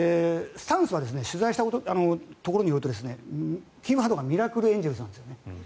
取材したところによるとキーワードがミラクルエンゼルスなんですね。